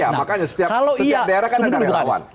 iya makanya setiap daerah kan ada yang lawan